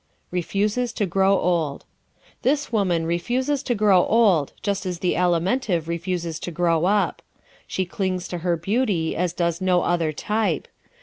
Refuses to Grow Old ¶ This woman refuses to grow old, just as the Alimentive refuses to grow up. She clings to her beauty as does no other type.